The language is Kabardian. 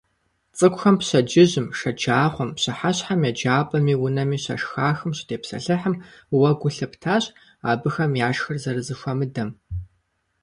ЦӀыкӀухэм пщэдджыжьым, шэджагъуэм, пщыхьэщхьэм еджапӀэми унэми щашхахэм щытепсэлъыхьым, уэ гу лъыптащ, абыхэм яшхыр зэрызэхуэмыдэм.